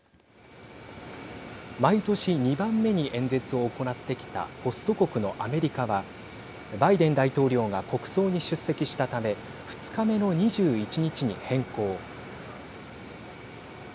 毎年、２番目に演説を行ってきたホスト国のアメリカはバイデン大統領が国葬に出席したため２日目の２１日に変更。